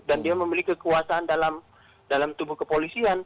dan dia memiliki kekuasaan dalam tubuh kepolisian